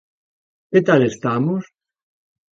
Que tal estamos?